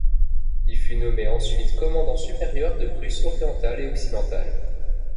Il fut nommé ensuite commandant supérieur de Prusse-Orientale et occidentale.